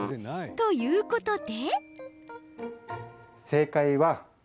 ということで。